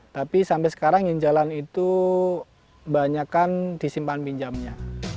tapi sampai sekarang yang jalan itu banyakan disimpan pinjamnya